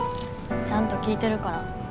ちゃんと聞いてるから。